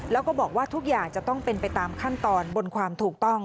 แล้วก็บอกว่าทุกอย่างจะต้องเป็นไปตามขั้นตอนบนความถูกต้อง